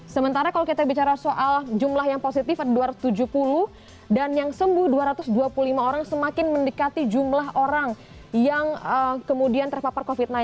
sementara kalau kita bicara soal jumlah yang positif ada dua ratus tujuh puluh dan yang sembuh dua ratus dua puluh lima orang semakin mendekati jumlah orang yang kemudian terpapar covid sembilan belas